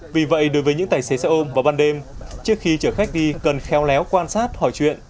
vì vậy đối với những tài xế xe ôm vào ban đêm trước khi chở khách đi cần khéo léo quan sát hỏi chuyện